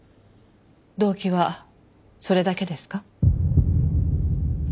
動機はそれだけですか？